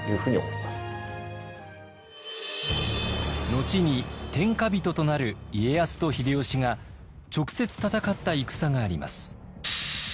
後に天下人となる家康と秀吉が直接戦った戦があります。